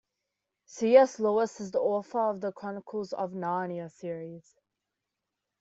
C.S. Lewis is the author of The Chronicles of Narnia series.